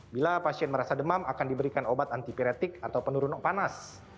bila pasien merasa demam akan diberikan obat antipiretik atau penurunan panas